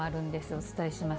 お伝えします。